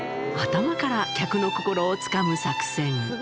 頭から客の心をつかむ作戦に。